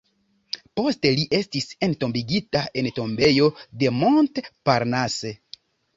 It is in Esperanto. Poste li estis entombigita en tombejo de Montparnasse.